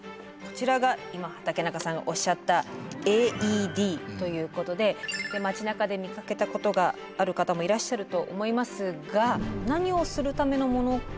こちらが今畠中さんがおっしゃったＡＥＤということで街なかで見かけたことがある方もいらっしゃると思いますが何をするためのもの。